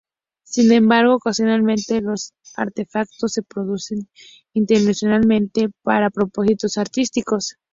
Sin embargo, ocasionalmente, los artefactos se producen "intencionadamente" para propósitos artísticos.